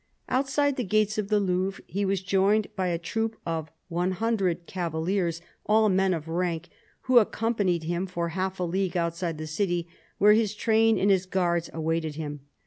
Outside THE CARDINAL 203 the gates of the Louvre he was joined by a troop of a hundred cavaliers, all men of rank, who accompanied him for half a league outside the city, where his train and his guards awaited him.